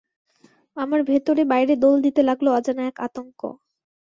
আমার ভেতরে-বাইরে দোল দিতে লাগল অজানা এক আতঙ্ক।